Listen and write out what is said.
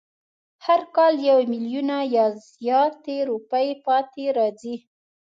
هر کال یو میلیونه یا زیاتې روپۍ پاتې راځي.